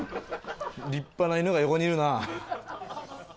立派な犬が横にいるな。